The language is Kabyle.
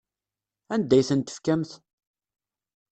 Anda ay tent-tefkamt?